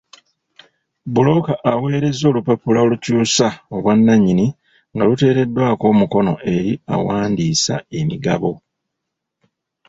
Bbulooka aweereza olupapula olukyusa obwanannyini nga luteereddwako omukono eri awandiisa emigabo.